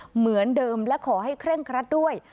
เหมือนเดิมและขอให้เคร่งครัดด้วย